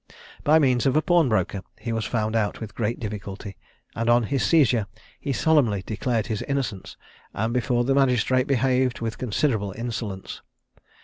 By means of a pawnbroker, he was found out with great difficulty; and on his seizure he solemnly declared his innocence, and before the magistrate behaved with considerable insolence.